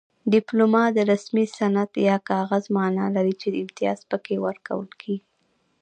ډیپلوما د رسمي سند یا کاغذ مانا لري چې امتیاز پکې ورکول کیږي